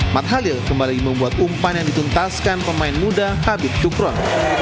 matt halil kembali membuat umpan yang dituntaskan pemain muda habib dukron